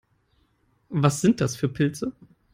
Was sind das für Pilze?